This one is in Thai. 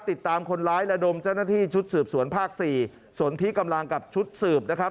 ติดตามคนร้ายระดมเจ้าหน้าที่ชุดสืบสวนภาคสี่ส่วนที่กำลังกับชุดสืบนะครับ